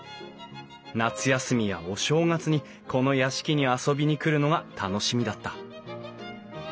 夏休みやお正月にこの屋敷に遊びに来るのが楽しみだった。